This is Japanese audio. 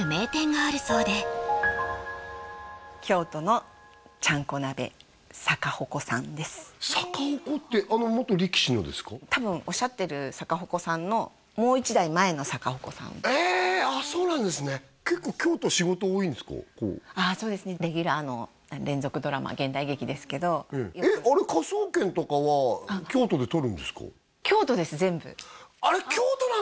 ああそうですねレギュラーの連続ドラマ現代劇ですけどよくえっあれ「科捜研」とかは京都で撮るんですか？